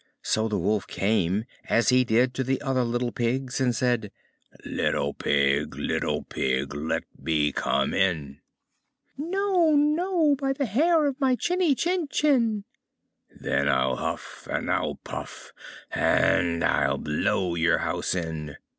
So the Wolf came, as he did to the other little Pigs, and said, "Little Pig, little Pig, let me come in." "No, no, by the hair of my chinny chin chin." "Then I'll huff and I'll puff, and I'll blow your house in."